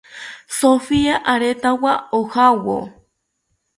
Sofia aretawo ojawo